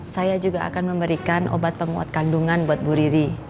saya juga akan memberikan obat penguat kandungan buat bu riri